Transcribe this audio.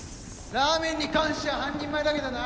ラーメンに関しちゃ半人前だけどな。